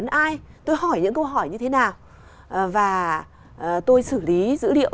nói cái dữ liệu